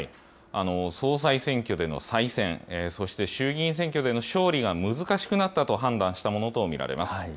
総裁選挙での再選、そして衆議院選挙での勝利が難しくなったと判断したものと見られます。